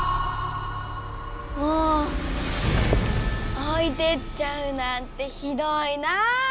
もうおいてっちゃうなんてヒドイなぁ。